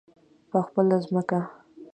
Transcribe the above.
په خپله ځمکه.